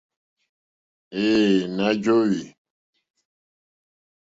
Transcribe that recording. Ɛ̄ɛ̄, nà jóhwì.